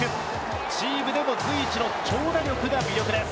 チームでも随一の長打力が魅力です。